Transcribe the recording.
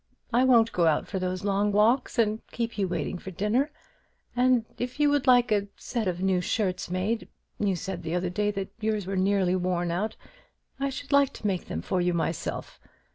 I won't go out for those long walks, and keep you waiting for dinner; and if you would like a set of new shirts made you said the other day that yours were nearly worn out I should like to make them for you myself.